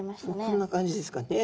こんな感じですかね。